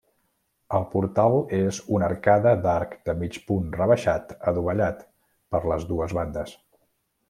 El portal és una arcada d'arc de mig punt rebaixat adovellat per les dues bandes.